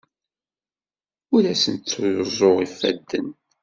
Ur asent-ttruẓuɣ ifadden.